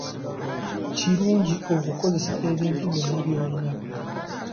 Kirungi okukozesa ebintu byonna by'olina.